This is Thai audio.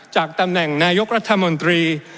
จากตำแหน่งนายกรัฐมนตรี